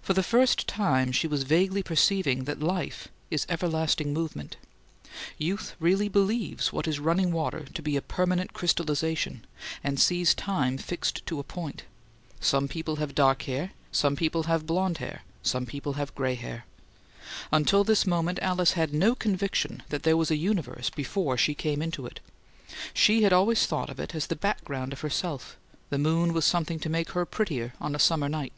For the first time she was vaguely perceiving that life is everlasting movement. Youth really believes what is running water to be a permanent crystallization and sees time fixed to a point: some people have dark hair, some people have blond hair, some people have gray hair. Until this moment, Alice had no conviction that there was a universe before she came into it. She had always thought of it as the background of herself: the moon was something to make her prettier on a summer night.